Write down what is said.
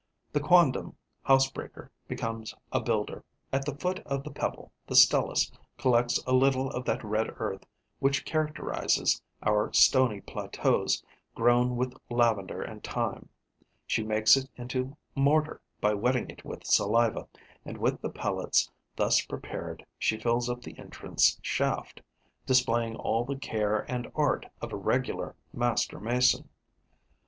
The quondam housebreaker becomes a builder. At the foot of the pebble, the Stelis collects a little of that red earth which characterizes our stony plateaus grown with lavender and thyme; she makes it into mortar by wetting it with saliva; and with the pellets thus prepared she fills up the entrance shaft, displaying all the care and art of a regular master mason.